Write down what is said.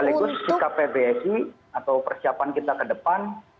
ya terus sikap pbsi atau persiapan kita ke depan